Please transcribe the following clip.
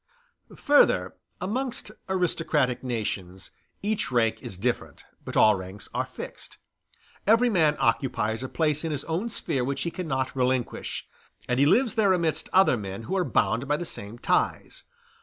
Further, amongst aristocratic nations each rank is different, but all ranks are fixed; every man occupies a place in his own sphere which he cannot relinquish, and he lives there amidst other men who are bound by the same ties.